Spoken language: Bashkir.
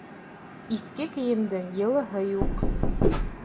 Иҫке кейемдең йылыһы юҡ.